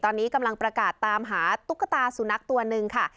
ตอนนี้กำลังประกาศตามหาตุ๊กตาสุนัขตัวหนึ่งค่ะ